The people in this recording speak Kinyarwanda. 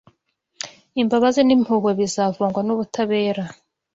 Imbabazi n’impuhwe bizavangwa n’ubutabera